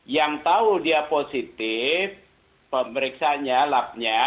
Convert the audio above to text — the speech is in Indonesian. yang tahu dia positif pemeriksanya lab nya